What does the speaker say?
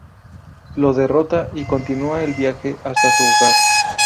Lo derrota y continua el viaje hasta su hogar.